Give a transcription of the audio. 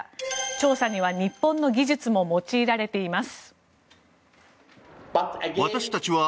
調査には日本の技術も用いられています。